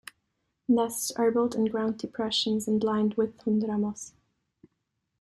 Nests are built in ground depressions and lined with tundra moss.